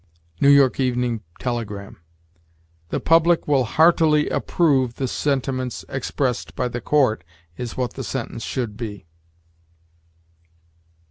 New York "Evening Telegram." "The public will heartily approve the sentiments expressed by the court," is what the sentence should be.